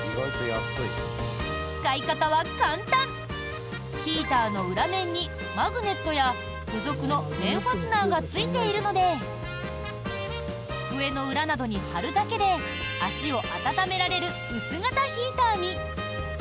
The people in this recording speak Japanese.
使い方は簡単ヒーターの裏面にマグネットや付属の面ファスナーがついているので机の裏などに貼るだけで足を温められる薄型ヒーターに。